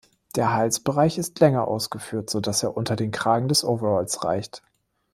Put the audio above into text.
Der Halsbereich ist länger ausgeführt, so dass er unter den Kragen des Overalls reicht.